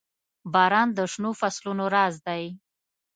• باران د شنو فصلونو راز دی.